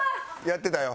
やってたよ。